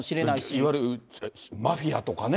いわゆるマフィアとかね。